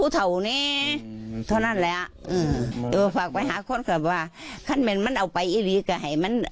เท่านั้นแหละเออฝากไปหาคนคือว่า